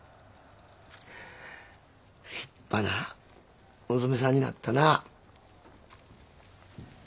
立派な娘さんになったな。